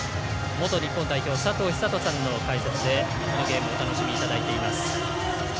元日本代表佐藤寿人さんの解説でこのゲームをお楽しみいただいています。